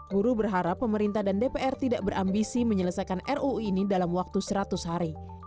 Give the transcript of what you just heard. buruh berharap pemerintah dan dpr tidak berambisi menyelesaikan ruu ini dalam waktu seratus hari